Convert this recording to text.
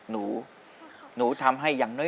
หนูหนูทำให้อย่างน้อย